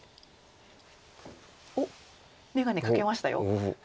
おっ眼鏡かけましたよ。